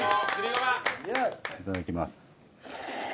いただきます。